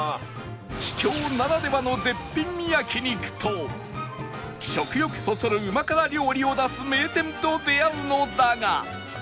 秘境ならではの絶品焼肉と食欲そそるうま辛料理を出す名店と出会うのだが